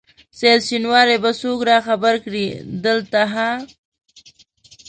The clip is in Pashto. سعید شېنواری به څوک راخبر کړي دلته ها؟